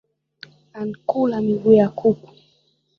Ankula miguu ya kuku